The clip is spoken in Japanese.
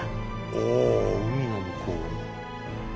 お海の向こうに。